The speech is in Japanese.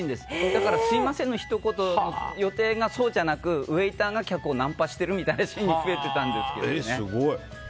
だから、すみませんのひと言の予定がそうじゃなく、ウェーターが客をナンパしてるみたいなシーンが増えてたんですけどね。